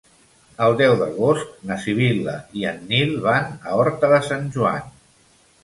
El deu d'agost na Sibil·la i en Nil van a Horta de Sant Joan.